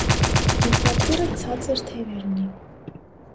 Ինքնաթիռը ցածր թևեր ունի։